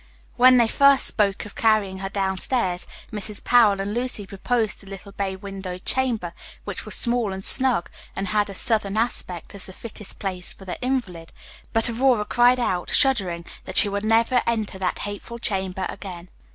When they first spoke of carrying her down stairs, Mrs. Powell and Lucy proposed the little bay windowed chamber, which was small and snug, and had a southern aspect, as the fittest place for the invalid; but Aurora cried out, shuddering, that she would never enter that hateful chamber again.